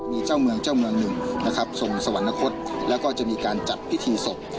มีเจ้าเมืองเจ้าเมืองหนึ่งนะครับทรงสวรรคตแล้วก็จะมีการจัดพิธีศพ